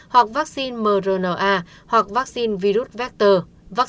hoặc vaccine mrna hoặc vaccine virus vector vaccine astrazeneca